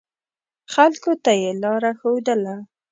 خلکو ته یې لاره ښودله.